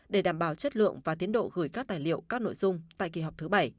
để đảm bảo chất lượng và tiến độ gửi các tài liệu các nội dung tại kỳ họp thứ bảy